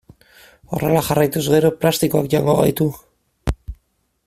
Horrela jarraituz gero plastikoak jango gaitu.